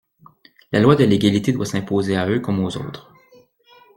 La loi de l’égalité doit s’imposer à eux comme aux autres.